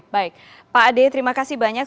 baik pak ade terima kasih banyak